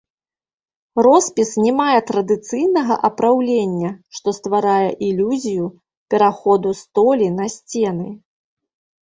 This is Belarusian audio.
Роспіс не мае традыцыйнага апраўлення, што стварае ілюзію пераходу столі на сцены.